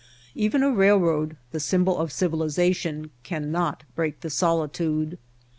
Even a railroad, the symbol of civilization, cannot break the solitude.